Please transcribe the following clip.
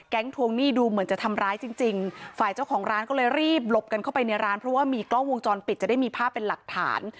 ทวงหนี้ดูเหมือนจะทำร้ายจริงจริงฝ่ายเจ้าของร้านก็เลยรีบหลบกันเข้าไปในร้านเพราะว่ามีกล้องวงจรปิดจะได้มีภาพเป็นหลักฐาน